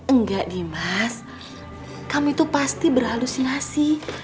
enggak dimas kamu itu pasti berhalusinasi